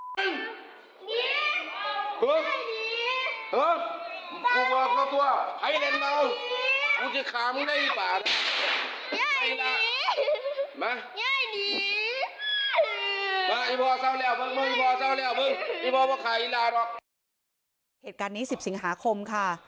ผมก็ไม่ที่ลาที่นี่มาก